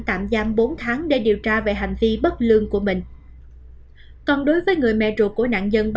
tạm giam bốn tháng để điều tra về hành vi bất lương của mình còn đối với người mẹ ruột của nạn nhân